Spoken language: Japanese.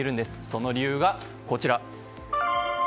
その理由が、こちら。